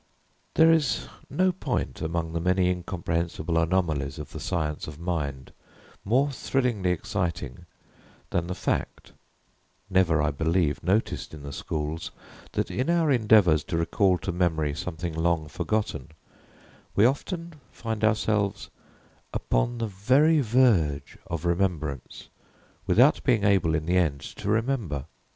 There is no point, among the many incomprehensible anomalies of the science of mind, more thrillingly exciting than the fact never, I believe, noticed in the schools than in our endeavors to recall to memory something long forgotten, we often find ourselves upon the very verge of remembrance, without being able, in the end, to remember.